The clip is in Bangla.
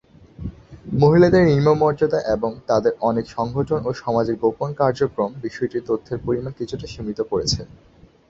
মহিলাদের নিম্ন মর্যাদা এবং তাদের অনেক সংগঠন ও সমাজের গোপন কার্যক্রম, বিষয়টির তথ্যের পরিমাণ কিছুটা সীমিত করেছে।